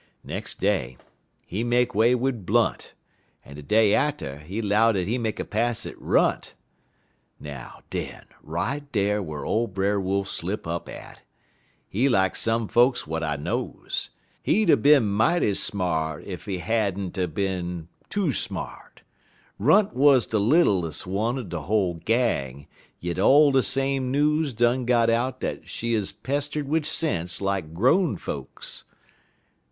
"Nex' day, he make way wid Blunt, en de day atter, he 'low dat he make a pass at Runt. Now, den, right dar whar ole Brer Wolf slip up at. He lak some folks w'at I knows. He'd 'a' bin mighty smart, ef he had n't er bin too smart. Runt wuz de littles' one er de whole gang, yit all de same news done got out dat she 'uz pestered wid sense like grown folks.